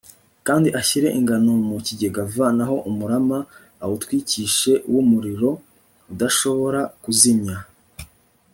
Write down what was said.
kandi ashyire ingano mu kigega v naho umurama awutwikishe w umuriro udashobora kuzimywa